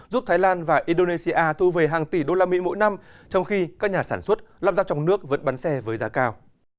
giúp thái lan và indonesia thu về hàng tỷ đô la mỹ mỗi năm trong khi các nhà sản xuất lắp dắp trong nước vẫn bắn xe với giá cao